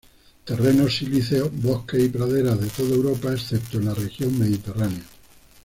Terrenos silíceos, bosques y praderas de toda Europa, excepto en la región mediterránea.